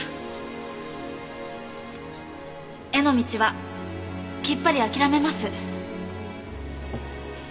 絵の道はきっぱり諦めます。